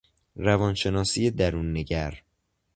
روانشناسی دروننگر